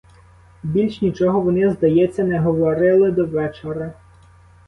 Більш нічого вони, здається, не говорили до вечора.